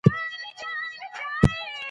ځکه رییس ټول تحلیلونه کړي وو.